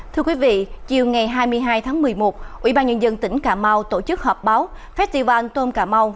thưa quý vị chiều ngày hai mươi hai tháng một mươi một ủy ban nhân dân tỉnh cà mau tổ chức họp báo festival tôm cà mau